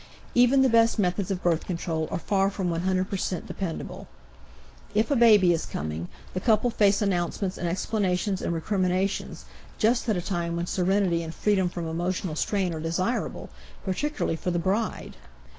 Even the best methods of birth control are far from 100 percent dependable; if a baby is coming, the couple face announcements and explanations and recriminations just at a time when serenity and freedom from emotional strain are desirable, particularly for the bride.